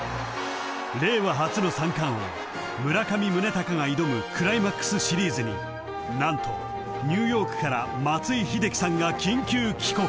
［令和初の三冠王村上宗隆が挑むクライマックスシリーズに何とニューヨークから松井秀喜さんが緊急帰国］